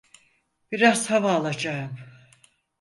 Biraz hava alacağım.